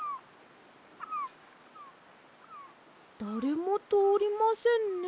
だれもとおりませんね。